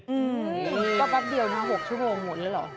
อืมก็แป๊บเดียวนะ๖ชั่วโมงหมดแล้วเหรอ